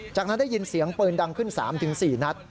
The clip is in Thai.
จากนั้นได้ยินเสียงปืนดังขึ้น๓๔นัด